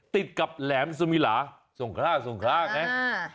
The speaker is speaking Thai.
ติดกับแหลมสมีราสงครามไง